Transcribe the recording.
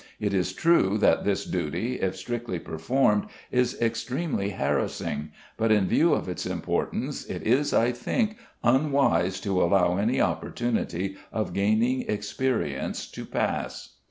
It is true that this duty, if strictly performed is extremely harassing, but in view of its importance it is, I think, unwise to allow any opportunity of gaining experience to pass.